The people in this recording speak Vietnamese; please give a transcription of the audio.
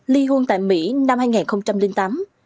hai nghìn sáu ly hôn tại mỹ năm hai nghìn tám